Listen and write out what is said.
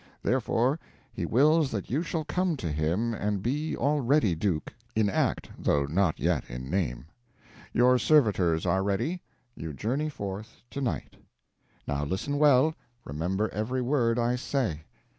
Therefore he wills that you shall come to him and be already Duke in act, though not yet in name. Your servitors are ready you journey forth to night. "Now listen well. Remember every word I say.